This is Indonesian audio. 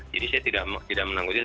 jadi saya tidak menanggutinya